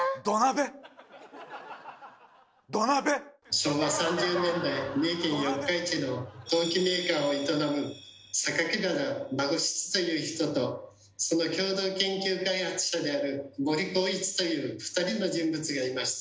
昭和３０年代三重県四日市の陶器メーカーを営む原孫七という人とその共同研究開発者である森晃一という２人の人物がいました。